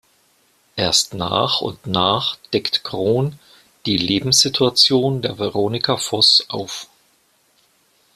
Erst nach und nach deckt Krohn die Lebenssituation der Veronika Voss auf.